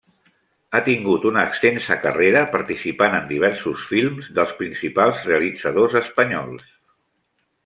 Ha tingut una extensa carrera participant en diversos films dels principals realitzadors espanyols.